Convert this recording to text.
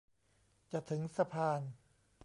จะถึงสะพาน